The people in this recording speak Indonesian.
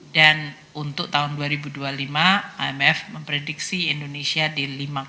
dan untuk tahun dua ribu dua puluh lima imf memprediksi indonesia di lima satu